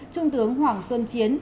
trung tướng hoàng xuân chiến